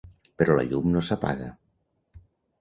Però la llum no s'apaga.